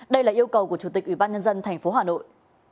đây là yêu cầu của chủ tịch ủy ban nhân dân tp hà nội